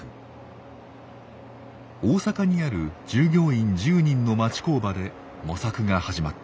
大阪にある従業員１０人の町工場で模索が始まっています。